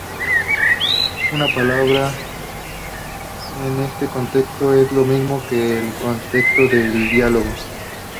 Una palabra en este contexto es lo mismo que en el contexto de diálogo.